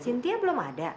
sintia belum ada